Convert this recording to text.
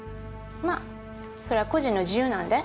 まあそれは個人の自由なんで。